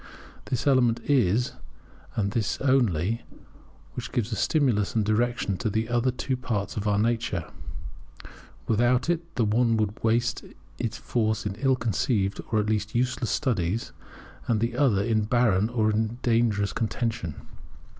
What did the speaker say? This element it is, and this only, which gives a stimulus and direction to the other two parts of our nature: without it the one would waste its force in ill conceived, or, at least, useless studies, and the other in barren or even dangerous contention.